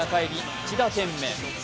１打点目。